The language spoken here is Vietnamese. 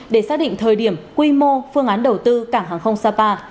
để xác định thời điểm quy mô phương án đầu tư cảng hàng không sapa